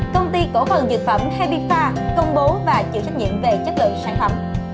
công ty cổ phần dược phẩm hifa công bố và chịu trách nhiệm về chất lượng sản phẩm